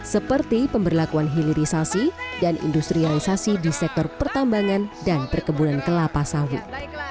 seperti pemberlakuan hilirisasi dan industrialisasi di sektor pertambangan dan perkebunan kelapa sawit